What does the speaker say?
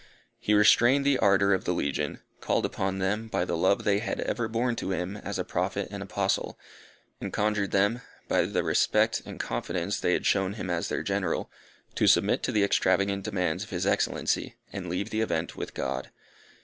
He restrained the ardour of the legion; called upon them, by the love they had ever borne to him as a Prophet and Apostle; and conjured them, by the respect and confidence they had shown him as their General, to submit to the extravagant demands of his Excellency, and leave the event with God.